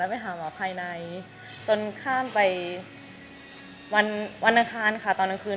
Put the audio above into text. ไปหาหมอภายในจนข้ามไปวันอังคารค่ะตอนกลางคืน